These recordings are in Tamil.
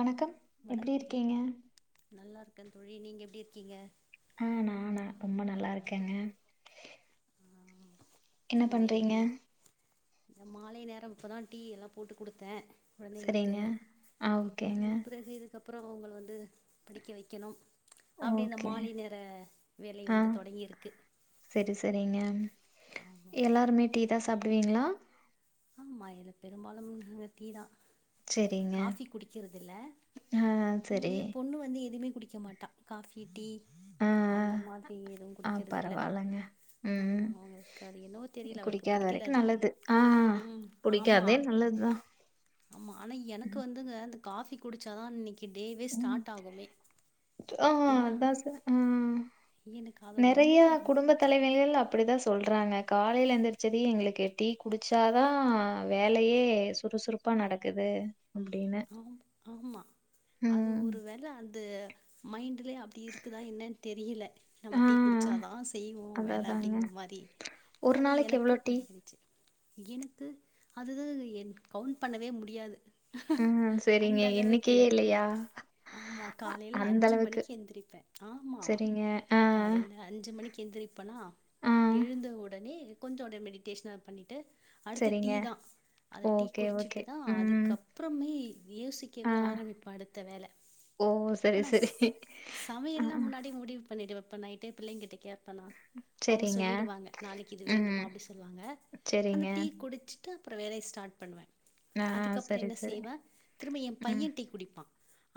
வணக்கம் எப்படி வணக்கம் இருக்கீங்க? நல்லா இருக்கே தோழி நீங்க எப்டி இருக்கீங்க ஆ நானா ரொம்ப நல்லா இருக்கேங்க ஆ என்ன சரிங்க பண்றீங்க? எப்டிங்க மாலை நேரம் இப்பதா டீ எல்லா போட்டு குடுத்தே கொழந்தைங்களுக்கு சரிங்க. ஆ ஓகேங்க. அதன் பிறகு இதுக்கப்புறோ அவுங்கள வந்து படிக்க வெக்கணு அப்டி இந்த ஓகே. மாலை நேர வேலை வந்து தொடங்கியிருக்கு சேரி சேரிங்க ஆமா எல்லாருமே டீ தா சாப்பிடுவீங்களா ஆம்மா இதுல பெரும்பாலும் நாங்க டீதா சரிங்க. காஃபி குடிக்கிறதில்ல ஆ சரி. என்னுடைய பொண்ணு வந்து எதுமே குடிக்க மாட்டா காஃபி டீ ஆ அந்த மாதிரி எதுவு ஆ குடிக்கிறது இல்ல பரவால்லங்க. ஆ ம். அவங்களுக்கு அது என்னவோ தெரியல அவளுக்கு குடிக்காத பிடிக்கல வரைக்கும் நல்லது. ஆ அதுஉம் ஆமா குடிக்காததே நல்லதுதான். ஆமா ஆனா எனக்கு ம். வந்துங்க அந்த காபி குடிச்சாதா அன்னைக்கு டேவே ம். ஸ்டார்ட் ஆகுமே ஆ இல்ல அதான் ச உம் எனக்கு அது ரொம்ப நெறையா ஒரு மாதிரி குடும்ப இருக்கும். தலைவிகள் அப்டி தான் சொல்றாங்க காலையில எந்திரிச்சதியு எங்குளுக்கு டீ குடிச்சா தா வேலையே சுறுசுறு சுறுசுறுப்பா நடக்குது அப்டின்னு ஆமா அது ஒரு வேல அது மைண்ட்லயே அப்டி இருக்குதா என்னன்னு தெரியல ஆ நம்ம டீ குடிச்சாதா செய்வோம் அதான் வேலை அதாங்க. அப்டிங்கிற மாரி ஒரு அது நாளைக்கு எனக்கு எவ்ளோ டீ? பழகிடுச்சு எனுக்கு அதுது என் கவுண்ட் பண்ணவே முடியாது உம் சரிங்க அந்த அளவுக்கு எண்ணிக்கையே இல்லையா ஆமா காலையில அந்த அஞ்சு அளவுக்கு. மணிக்கு எந்திரிப்பே ஆமா சரிங்க. ஆ, காலையில அஞ்சு மணிக்கு எந்திரிப்பே அப்பனா ஆ. எழுந்த உடனே கொஞ்சோ அப்டே மெடிட்டேஷன பண்ணிட்டு அடுத்து டீ சரிங்க. தா அத டீ ஓகே, ஓகே. குடிச்சிட்டுதா ம். அதுக்கப்றமே ஆ. யோசிக்கவே ஆரம்பிப்பே அடுத்த வேல ஓ! சரி, ஆனாச் சரி. அ, சமையல்லா அ. முன்னாடியே முடிவுப் பண்ணிட்டுவப்பேன் நைட்டே பிள்ளைங்கிட்ட கேப்பண்ணா அவுங்க சரிங்க. சொல்லிடுவாங்க நாளைக்கு இது ம். வேண்டும் அப்டி சொல்லுவாங்க அந்த சரிங்க. டீ குடிச்சு அப்றோ வேலயை ஸ்டார்ட் பண்ணுவேன் ஆ அதுக்கப்றோம் சரி, என்ன சரி. செய்வேன் திரும்ப எ ம். பையே டீ குடிப்பா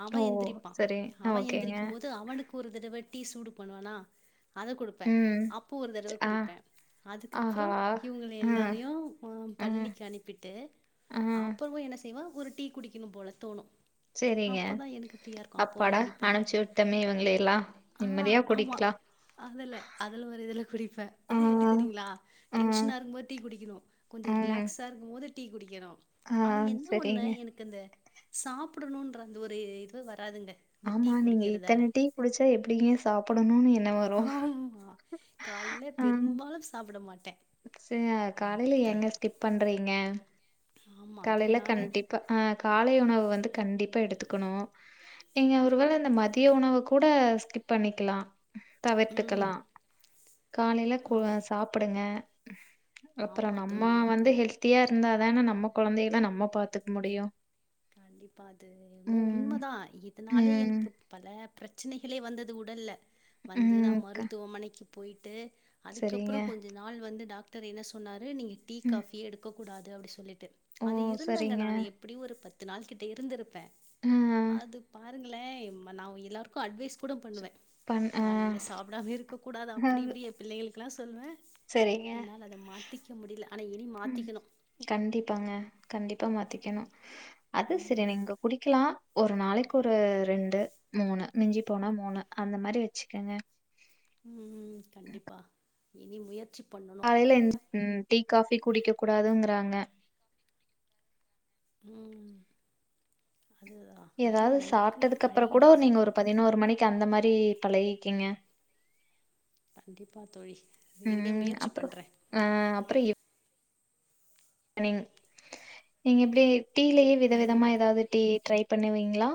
அவே ஓ! எந்திரிப்பா சரி. அவே ஓகேங்க. எந்திரிக்கும் போது அவனுக்கு அப்ப ஒரு தடவ டீ சூடு பண்ணுவானா அத குடுப்பே ம். அப்போ ஒரு தடவ ஆ, குடிப்பே ஆஹா! அதுக்கப்புறோ இவங்கள ம், எல்லாரையும் ம், பள்ளிக்கு அனுப்பிட்டு ம். அப்பவும் என்ன செய்வே ஒரு டீ குடிக்கணும் போல தோணூ சரிங்க. அப்பதா எனக்கு ஃப்ரீயா இருக்கும் அப்ப ஒண்ணு அப்பாடா! குடிப்பே அனுப்பிச்சு விட்டோமே இவங்களையெல்லாம். ஆ நிம்மதியா ஆமா குடிக்கலாம். அதல்ல அதுல ஒரு இதுல குடிப்பே ஆ, அது எப்டி தெரியுங்களா ஆ, டென்ஷனா இருக்கும்போது டீ குடிக்கணும் கொஞ்ச ம். ரிலாக்ஸா இருக்கும்போது டீ குடிக்கணு ஆ, ஆனால் என்ன ஒன்னு சரிங்க. எனக்கு அந்த சாப்டணும்ன்ற அந்த ஒரு இது வராதுங்க இந்த டீ ஆமா நீங்க குடிக்கிறதால. இத்தன டீ குடிச்சா எப்டிங்க சாப்டணும்னு எண்ணம் வரும் காலைல பெரும்பாலும் சாப்ட மாட்டே ச்சே காலையில ஏங்க ஸ்கிப் பண்றீங்க ஆமா. காலையில அதனால கண்டிப்பா அ காலை உணவு வந்து கண்டிப்பா எடுத்துக்கணும் நீங்க ஒருவேள இந்த மதிய உணவ கூட ஸ்கிப் பண்ணிக்கலா தவிர்த்துக்கலா ம். காலையில ஆ கூழ் சாப்பிடுங்க ஆமா அப்புறம் நம்ம தோழி அது வந்து ஹெல்த்தியா இருந்தாதான்ன நம்ம குழந்தைகள நம்ம பாத்துக்க முடியும் கண்டிப்பா அது என்மோ ம் உண்மதா இதனாலே ம் எனக்கு பல பிரச்சனைகளே வந்தது உடல்ல வந்து நா ம் அக்கா. மருத்துவமனைக்கு போயிட்டு சரிங்க அதுக்கப்புறோ கொஞ்ச நாள் வந்து டாக்டர் என்ன சொன்னார் நீங்க டீ ம் காஃபியே எடுக்கக்கூடாது அப்டி சொல்லிட்டு ஓ அது இருந்தங்க சரிங்க நா எப்டியு ஒரு பத்து நாள் கிட்ட இருந்திருப்பே ஆ அது பாத் ருங்களேம் நாவு எல்லாருக்கு அட்வைஸ் கூட பண்ணுவே பண் ஆ காலையில சாப்டாமே இருக்க கூடாது அப்டி அது இப்டி பிள்ளைகளுக்கெலா சொல்லுவே சரிங்க என்னால் அத மாத்திக்க முடியல ஆனா இனி ம் மாத்திக்கணும் கண்டிப்பாங்க கண்டிப்பா மாத்திக்கணும் அது சரி ஆமா. நீங்க குடிக்கலாம் ஒரு நாளைக்கு ஒரு ரெண்டு மூணு மிஞ்சி போனா மூணு அந்த மாரி வச்சுக்கோங்க உம் உம் கண்டிப்பா இனி முயற்சி பண்ணணு காலையில எந் உம் டீ காபி குடிக்க கூடாதுங்றாங்க உம் அதுதா அது ஏதாவது நமக்கு சாப்ட்டதுக்கு அப்றோம் கூட பழகிடுச்சு நீங்க ஒரு பதினோரு மணிக்கு அந்த மாரி பழகிக்கீங்க கண்டிப்பா தோழி இனிமே ம் முயற்சி அப்றோ பண்றே ஆ அப்பற எப் நீங் நீங்க எப்டி டீலே வித விதமா ம் ஏதாவது டீ ட்ரை பணுவீங்ளா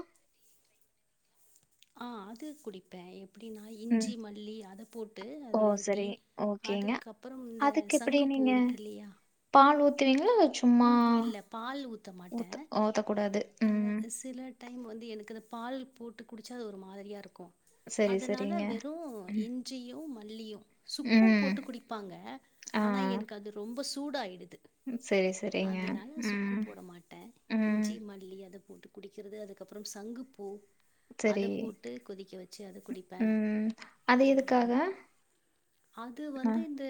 ஆ அது குடிப்பே எப்டினா ம் இஞ்சி மல்லி அத போட்டு ஓ அது ஒரு டீ சரி ஓகேங்க. அதுக்கப்றோ இந்த அதுக்கு எப்டி சங்குபூ நீங்க இருக்கு இல்லையா பால் ஊத்துவீங்ளா இல் சும்மா ம் இல்ல பால் மாட்டே ஊத்த ஊத்தக்கூடாது ம் அ சில டைம் வந்து எனக்கு அந்த பால் போட்டு குடிச்சா அது ஒரு மாதிரியா இருக்கு சரி அதனால சரிங்க. வெறு ம் இஞ்சியு மல்லியு சுக்கு ம் போட்டு குடிப்பாங்க ஆ ஆனா எனக்கு அது ரொம்ப சூடாயிடுது சரி சரிங்க. அதுனால சுக்கு ம் போட மாட்ட ம் இஞ்சி ம மள்ளி அத போட்டு குடிக்கறது அதுக்கப்றோ சங்குபூ அத சரி போட்டு கொதிக்க வச்சு அத குடிப்பே ம் அது அந்த மாதிரி எதுக்காக? அது அ வந்து இந்த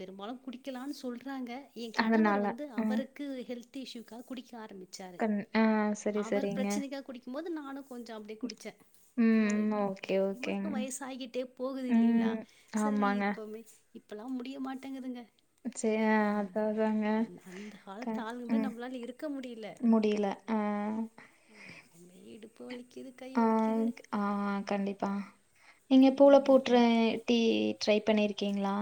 பெரும்பாலு குடிக்கலானு சொல்றாங்க என் கணவர் அதனால வந்து ம் அவருக்கு ஹெல்த் இஷயூக்காக குடிக்க ஆரம்பிச்சாறு கண் ஆ சரி அவர் சரிங்க. பிரச்சனைகாக குடிக்கு போது நானு கொஞ்ச அப்டியே குடிச்சே ஓகே ம் இவர்க்கு ஓகேங்க. வயசு ஆகிட்டே போகுது இல்லைங்ளா ம் செரி ஆமாங்க. இப்புமே இப்பல்லா முடிய மாட்டேங்குதுங்க சே அ அதாதாங்க அந் அந்த காலத்து ஆளுங்க மாரி நம்மளால இருக்க முடில முடில அ ம எப்போமே இடுப்பு வலிக்குது கை ஆ வலிக்குது ஆ கண்டிப்பா நீங்க பூல போட்ற டீ ட்ரை பணியிருக்கீங்ளா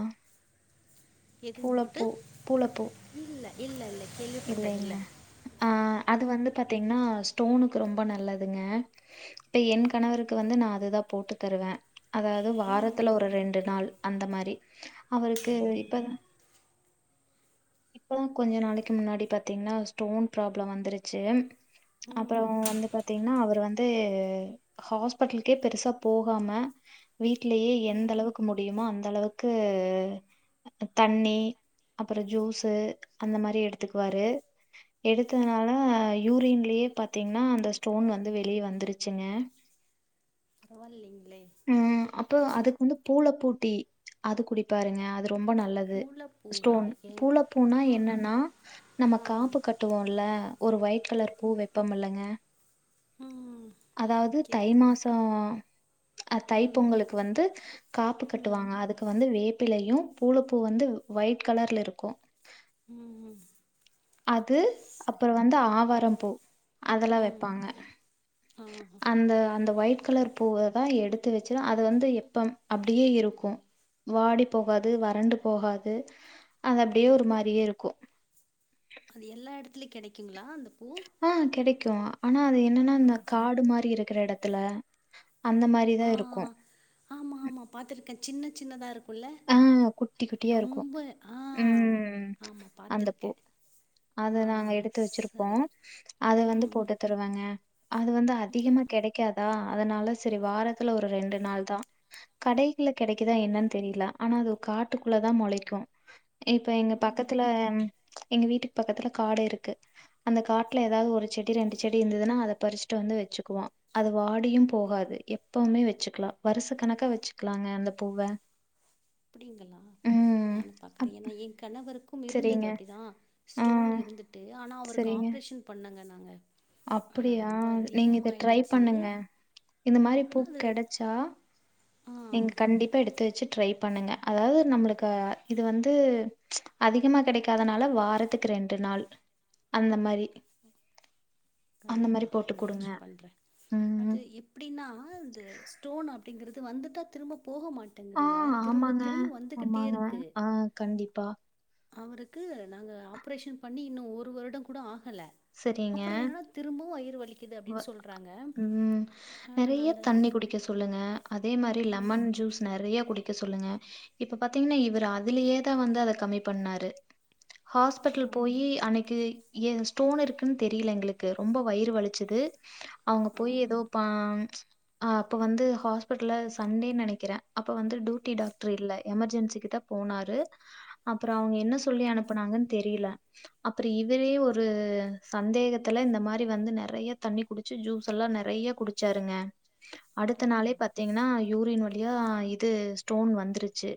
எதுவும் போட்டு பூளப்பூ பூளப்பூ இல்ல இல்ல இல்ல கேள்விப்பட்டதில்ல அ அது வந்து பாத்தீங்கன்னா ஸ்டோனுக்கு ரொம்ப நல்லதுங்க என் கணவருக்கு வந்து நா அதுதா போட்டு தருவே அதாவ ம், வாரத்துல ஒரு ரெண்டு நாள் அந்த மாரி அவருக்கு இப்ப இப்போதா கொஞ்ச நாளைக்கு முன்னாடி பாத்தீங்ன்னா ஸ்டோன் ப்ராப்ளம் வந்துருச்சு அப்றோ ம். வந்து பா பாத்தீங்ன்னா அவர் வந்து ஹாஸ்பிட்டலுக்கே பெருசா போகாம வீட்லேயே எந்த அளவுக் க்கு முடியுமா அந்த அளவுக்கு த தண்ணி அப்பற ஜூஸ் து அந்த மாரி எடுத்துக்வாரு எடுத்ததுனால யூரின்லே பார்த்திங்னா அந்த ஸ்டோன் வந்து வெளிய வந்துருச்சுங்க பரவாயில்லைங்ளே ம் அப்றோ அதுக்கு வந்து பூளப்பூட்டி அது குடிப்பாருங்க அது ரொம்ப நல்லது ஊழ பூங்களா ஸ்டோன் ஏ பூள பூனா ஆ என்னன்னா நம்ம ஆ காப்பு கட்டுவோம்ல ஒரு ஒயிட் கலர் பூ வப்போ இல்லங்க ஆ அதாவது தை மாசோ அ தை ம் பொங்கலுக்கு வந்து காப்பு ம் கட்டுவாங்க அதுக்கு வந்து வேப்பிலையு பூலப்பூ வந்து ஒயிட் கலர்ல இருக்கு ம் ம் அது சரி அப்றோ வந்து ஓ ஆவார பூ அதெல்லா ம் வப்பாங்க ஆ ஆ. அந்த அந்த ஒயிட் கலர் பூவதா எடுத்து வச்சி அது வந்து எப்ப அப்டியே இருக்கு வாடி போஹாது வறண்டு போஹாது அது அப்டியே ஒரு மாரியே இருக்கு அது எல்லா இடத்துலயு கெடைக்குங்ளா அந்த பூ ஆ கெடைக்கு ஆனா அது என்னன்னா இந்த காடு மாதிரி இருக்கிற இடத்துல அந்த மாரி இப்டி தா இருக்கு ஆமா ஆமா பாத்துருக்கே சின்ன சின்னதா இருக் ஆ குட்டி குட்டியா இருக்கும் ஆ ம் ஆமாம் அந்தப் பூ பார்த்துருக்கேன் அத ஆ நாங்க எடுத்து வச்சுருப்போ சரி அத வந்து ம் போட்டு வருவங்க அது வந்து அதிகமா கெடைக்காது தா அதுனால செரி வாரத்துல ஒரு ரெண்டு நாள் தா கடைகல்ல கெடைக்குதா என்னன் தெரியில ஆனா அது காட்டுக்குள்ள தா மொளைக்கு இப்ப எங்க ம் பக்கத்துல ம் எங்க வீட்டுக்கு பக்கத்துல காடு இருக்கு அந்த காட்ல ஏதாவது ஒரு செடி ரெண்டு செடி இருந்ததுன்னா அத பறிச்சுட்டு வந்து வச்சுக்குவா அது வாடியு போகாது எப்பவுமே வச்சுக்கலா வருச கணக்கா வச்சுக்கலாங்க அந்த பூவ அப்டிங்களா ம். நானு பாக்குறே அப் ஏன்னா எ கணவருக்கு வுங்க இருந்தது சரிங்க. அப்டிதா ஆ ஸ்டோன் இருந்துட்டு ஆனா அவருக்கு சரிங்க. ஆப்ரேஷன் பண்ணுங்கனாங்க ஆ அப்படியா? ரொம்ப நீங்க இத ட்ரை அதிகமாயிடுச்சு பண்ணுங்க. இந்த ம் மாரி பூ ஆனா அது கெடைச்சா ஆ நீங்க கண்டிப்பா எடுத்து வச்சு ட்ரை பண்ணுங்க அதாவது நம்மளுக்கு கண்டிப்பா, இது வந்து அதிகமா கெடைக்காதனால வாரத்துக்கு ரெண்டு நாள் அந்த மாரி அந்த கண்டிப்பா மாரி போட்டு குடுங்க. முயற்சி பண்றே ம். அது எப் அப்டின்னா இது ஸ்டோன் அப்டிங்கிறது வந்துட்டா திரும்ப போக மாட் ஆ ட்டுங்குதுங்க திரும்ப ஆமாங்க, திரும்ப வந்துகிட்டே ஆமாங்க. இருக்கு ஆ கண்டிப்பா அவருக்கு நாங்க ஆப்ரேஷன் பண்ணி இன்னு ஒரு வருடோ கூட ஆகல சரிங்க. அப்பறோ என்னன்னா திரும்பவு வயிறு வலிக்குது வ அப்டின்னு சொல்றாங்க ம் ஆ நா நெறைய அந்த தண்ணி குடிக்க சொல்லுங்க அதே மாரி லெமன் ஜூஸ் நெறைய குடிக்க சொல்லுங்க இப்ப பாத்தீங்கன்னா இவரு அதுலயே தா வந்து அத கம்மி பண்ணாரு ஆ ஹாஸ்பிட்டல் போயி அன்னைக்கு ஏ ஹஸ் ஸ்டோன் இருக்குன் தெரியல எங்களுக்கு ரொம்ப வயிறு வலிச்சுது அவுங்க ஆ போய் எதோ பா அ அப்ப வந்து ஹாஸ்பிட்ல சண்டேன் நெனைக்கிறே அப்ப வந்து டூட்டி டாக்டர் இல்ல எமர்ஜென்சி கிட்ட போனாரு அப்பறோ அவுங்க என்ன சொல்லி அனுப்புனாங்கன்னு தெரியல அப்பறோ இவரே ஒரு ஒரு சந்தேகத்துல் இந்த மாரி வந்து நெறைய தண்ணி குடிச்சு ஜூஸ் எல்லா நெறைய குடுச்சாருங்க அடுத்த ஆ நாளே பத் பாத்தீங்கன்னா யூரின் வழியா இது ஸ்டோன் வந்துருச்சு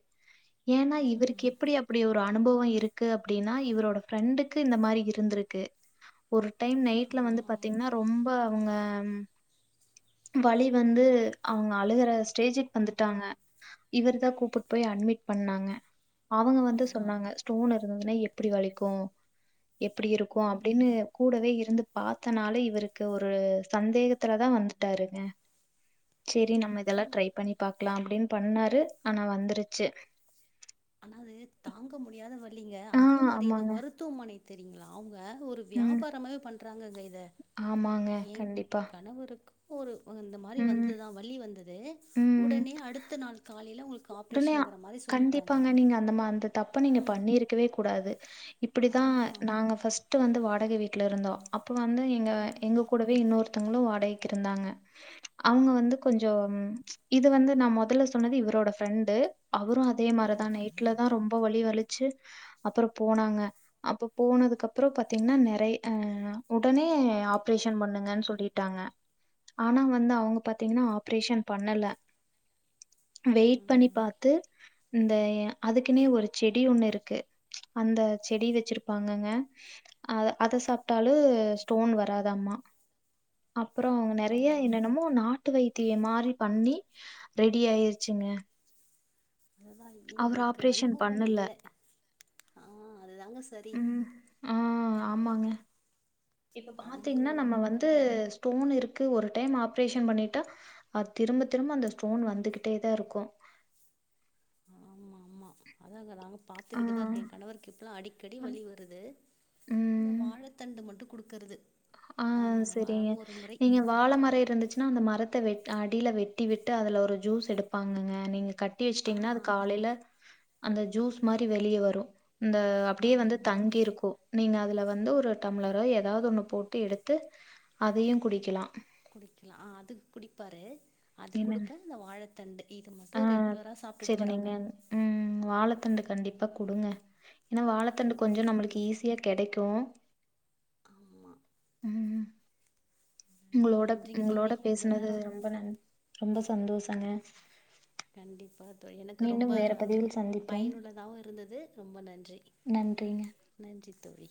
ஏன்னா இவருக் ம் எப்டி அப்டி ஒரு அனுபவோ இருக்கு அப்டின்னா இவரோட ப்ரெண்ட்டுக்கு இந்த மாரி இருந்துருக்கு ஒரு டைம் ஆ நைட்ல வந்து பாத்தீங்கன்னா ரொம்ப அவுங்க வலி வந்து அவுங்க அழுகுற ஸ்டேஜ்சுக்கு வந்துட்டாங்க இவர்தா கூப்புட் போயி அட்மிட் பண்ணாங்க அவுங்க ஆ வந்து ஆ சொன்னாங்க ஸ்டோன் இருந்ததுன்னா எப்டி வலிக்கு எப்டி இருக்கு க்கு ம் அப்டின்னு கூடவே இருந்து பாத்தனால இவருக்கு ஒரு சந்தேகத்துலதா வந்துட்டாருங்க செரி அது நம்ம இதெல்லா அதுதாங்க ட்ரை பண்ணி பாக்கலா அப்டின் பண்ணாரு ஆனா வந்துருச்சு ஆனா அது தாங்க முடியாத வலிங்க ஆ அதே மாரி இந்த ஆமாங்க. மருத்துவமனை தெரியுங்களா அவுங்க ஒரு ம். வியாபாரமாவே பண்றாங்கங்க இத ஆமாங்க. ஏ கண்டிப்பா. கணவருக்கு ஒரு வ இந்த மாரி ம். வந்ததுதா வலி வந்தது ம். உடனே அடுத்த நாள் காலையில அவுங்களுக்கு ஆப் ஆப்ரேஷன்ங்குற மாரி சொல்லிட் இருப்பாங்க நீங்க அந்த மா அந்த தப்ப நீங்க பண்ணியிருக்கவே கூடாது இப்புடிதா அதுதா நாங்க பர்ஸ்ட் பர்ஸ்ட்டு வந்து வாடக வீட்ல இருந்தோ அப்போ வந்து எங்க ம் எங்க கூடவே இன்னொருத்தவுங்களு வாடகைக்கு இருந்தாங்க அவுங்க வந்து கொஞ்சம் இது வந்து நா மொதல்ல சொன்னது இவரோட ஃப்ரெண்டு அவரு அதே மாரிதா நைட்லதா ரொம்ப வலி வலிச்சு அப்றோ போனாங்க அப்ப போனதுக்கு அப்பறோ பாத்தீங்கன்னா நெறைய உடனே ஆப்ரேஷன் பண்ணுங்கன் சொல்லிட் ட்டாங்க ஆனா வந்து அவுங்க பாத்தீங்ன்னா ஆப்ரேஷன் பண்ணல வெயிட் பண்ணி ம் பாத்து இந்த அதுக்குன்னே ஒரு செடி ஒண்ணு ருக்கு அந்த செடி வெச்சிருப்பாங்கக அத அத சாப்ட்டாலு ஸ்டோன் வராதாம்மா அப்பறோ நெறைய ஆ என்னென்னமோ நா டு வைத்திய மாரி பண்ணி ரெடி ஆயிருச்சிங்க அதுதா எங்ளுக்கு ஆப்ரேஷன் அனுபவம் பண்ணல இல்ல ஆ அதுதாங்க சரி ம் ஆ நாங்க ஆமாங்க இப்ப பாத்தீங்னா அனுபவம் நம்ம வந்து இல்லாமல் நாங்க ஸ்டோன் இருக்கு ஒரு டைம் ஆப்ரேஷன் பண்ணிட்டா அது திரும்ப திரும்ப அந்த ஸ்டோன் வந்துகிட்டே தா இருக்கு ஆமா மா அதாங்க நாங்க ஆ பாத்துக்கிட்டு தா இருக்கே கணவருக்கு இப்போல்லா அடிக்கடி வலி வருது அந்த ம் வாழ தண்டு மட்டு குடுக்குறது ஆ செரிங்க நீங்க வாழ மர இருந்துச்சு ஆனா அந்த மரத்த வெட் அடியில வெட்டி விட்டு அதுல ஒரு ஜூஸ் எடுப்பாங்கங்க நீங்க கட் கட்டி ஆ வச்சிட்டீங்கன்னா அது காலைல அந்த ஜூஸ் மாரி வெளியே வரு இந்த அப்டியே வந்து ஆமா தங்கி இருக்கு நீங்க அதுல வந்து ஒரு டம்ளரோ ஏதாவது ஒண்ணு போட் ட்டு எடுத்து அதையு குடிக்கலா குடிக்லா ஆ அதுக்குடிப்பாரு அது என்னங்க? கொடுப்பே இந்த வாழைத்தண்டு இது ஆ மட்டு ரெகுலரா சாப்ட்டுட்டு சரி வராங்க நீங்க ம் வாழத்தண்டு கண்டிப்பா குடுங்க ஏன்னா வாழைத்தண்டு கொஞ்சோ கண்டிப்பா நம்மளுக்கு தோழி ஈஸியா கெடைக்கு ஆமா ம் நன்றி உங்களோட நன்றிங்க உங்களோட தோழி இவ்ளோ பேசுனது நேரோ ரொம்ப நன் ரொம்ப சந்தோஷங்க கண்டிப்பா எனக்கு ரொம்ப மீண்டும் வேற பதிவில் சந்திப்போம். பயனுள்ளதாவு இருந்தது ரொம்ப நன்றி நன்றிங்க. நன்றி தோழி